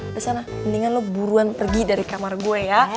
kesana mendingan lo buruan pergi dari kamar gue ya